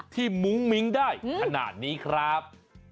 มุ้งมิ้งได้ขนาดนี้ครับ